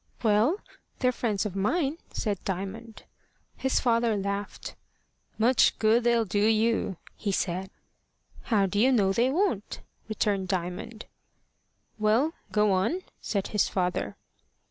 "Well, they're friends of mine," said Diamond. His father laughed. "Much good they'll do you!" he said. "How do you know they won't?" returned Diamond. "Well, go on," said his father.